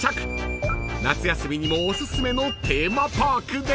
［夏休みにもおすすめのテーマパークです］